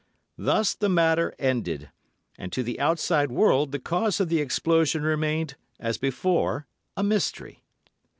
Thus the matter ended, and to the outside world the cause of the explosion remained, as before, a mystery.